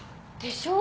でしょ？